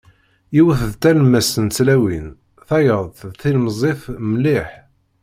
Yiwet d talemmast n tlawin, tayeḍt d tilmẓit mliḥ.